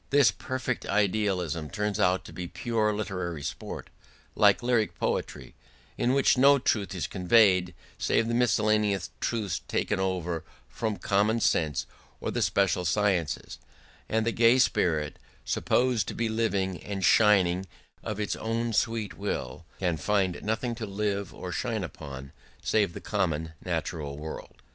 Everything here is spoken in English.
Thus perfect idealism turns out to be pure literary sport, like lyric poetry, in which no truth is conveyed save the miscellaneous truths taken over from common sense or the special sciences; and the gay spirit, supposed to be living and shining of its own sweet will, can find nothing to live or shine upon save the common natural world.